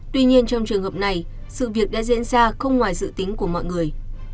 tuy nhiên trong trường hợp này sự việc đã diễn ra không ngoài dự tính của mọi người